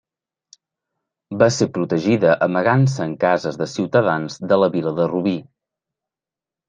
Va ser protegida amagant-se en cases de ciutadans de la vila de Rubí.